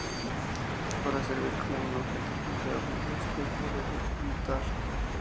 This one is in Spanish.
Para servir como un objeto confiable este o debe mutar.